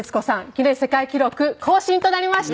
ギネス世界記録更新となりました。